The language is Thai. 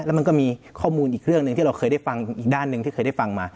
แล้วมันก็มีข้อมูลอีกเรื่องหนึ่งที่เราเคยได้ฟังอีกด้านหนึ่งที่เคยได้ฟังมา